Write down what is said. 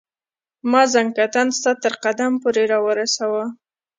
ما زکندن ستا تر قدم پوري را ورساوه